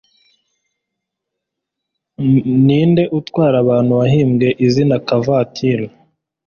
Ninde utwara abantu wahimbwe izina kavoituri?